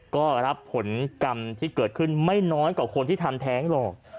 ก็รับผลกรรมที่เกิดขึ้นไม่น้อยกว่าคนที่ทำแท้งหรอก